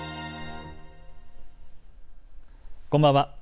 こんばんは。